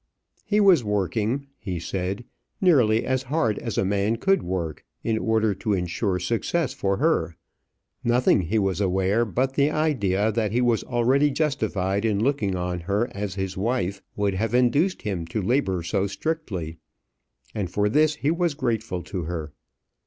"He was working," he said, "nearly as hard as a man could work, in order to insure success for her. Nothing he was aware but the idea that he was already justified in looking on her as his wife would have induced him to labour so strictly; and for this he was grateful to her.